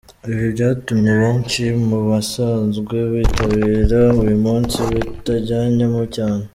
Ibi byatumye benshi mu basanzwe bitabira uyu munsi batabijyamo cyane.